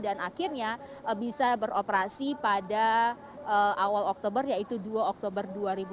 dan akhirnya bisa beroperasi pada awal oktober yaitu dua oktober dua ribu dua puluh tiga